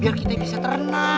biar kita bisa ternak